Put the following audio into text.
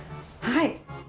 はい！